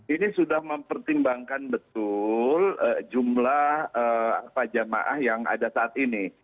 ini sudah mempertimbangkan betul jumlah jemaah yang ada saat ini